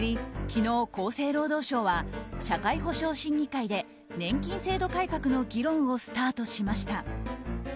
昨日、厚生労働省は社会保障審議会で年金制度改革の議論をスタートしました。